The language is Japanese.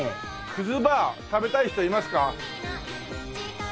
くずバー食べたい人いますか？